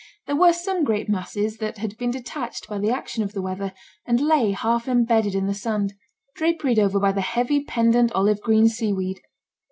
There were some great masses that had been detached by the action of the weather, and lay half embedded in the sand, draperied over by the heavy pendent olive green seaweed.